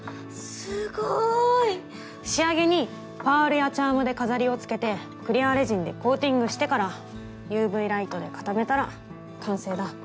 すごい！仕上げにパールやチャームで飾りを付けてクリアレジンでコーティングしてからＵＶライトで固めたら完成だ。